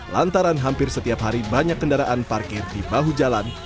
lantaran hampir setiap hari banyak kendaraan parkir di bahu jalan